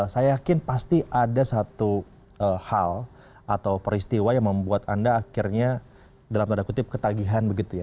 saya yakin pasti ada satu hal atau peristiwa yang membuat anda akhirnya dalam tanda kutip ketagihan begitu ya